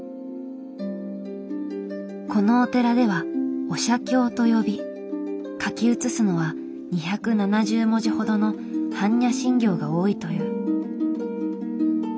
このお寺では「お写経」と呼び書き写すのは２７０文字ほどの「般若心経」が多いという。